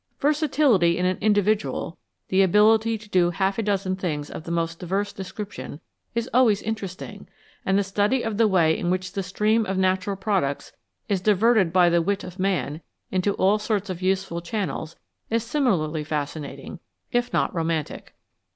Versatility in an individual, the ability to do half a dozen things of the most diverse description is always interesting, and the study of the way in which the stream of natural products is diverted by the wit of man into all sorts of useful channels is similarly fascinating, if not romantic.